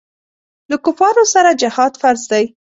له کفارو سره جهاد فرض دی.